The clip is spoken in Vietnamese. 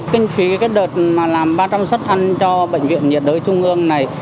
kinh phí cái đợt mà làm ba trăm linh xuất ăn cho bệnh viện nhiệt đới trung ương này